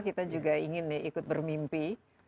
kita juga ingin nih ikut bermimpi